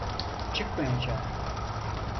Çıkmayacağım.